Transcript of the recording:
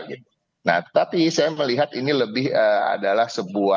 nah tapi saya melihat ini lebih adalah sebuah kondisi yang lebih bergantung kepada kekuatan kekuatan